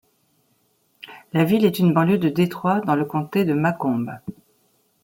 La ville est une banlieue de Détroit, dans le comté de Macomb.